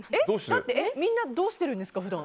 だって、みんなどうしてるんですか普段。